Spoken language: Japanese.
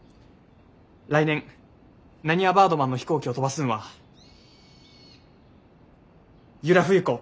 来年なにわバードマンの飛行機を飛ばすんは由良冬子！